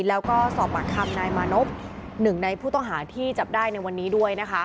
แล้วก็สอบปากคำนายมานพหนึ่งในผู้ต้องหาที่จับได้ในวันนี้ด้วยนะคะ